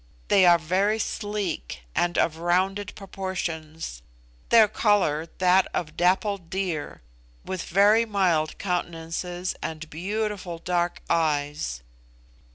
They are very sleek and of rounded proportions; their colour that of the dappled deer, with very mild countenances and beautiful dark eyes.